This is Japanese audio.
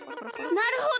なるほど。